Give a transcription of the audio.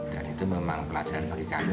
dan itu memang pelajaran bagi kami